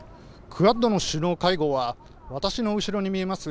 クアッドの首脳会合は私の後ろに見えます